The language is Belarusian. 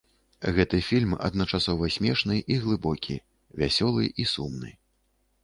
Гэты фільм адначасова смешны і глыбокі, вясёлы і сумны.